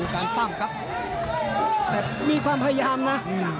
การปั้มครับแบบมีความพยายามนะ